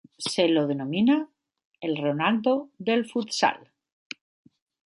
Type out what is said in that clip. Se lo denomina "El Ronaldo del futsal".